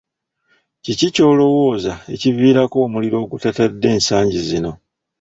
Kiki ky'olowooza ekiviirako omuliro ogutatadde ensangi zino.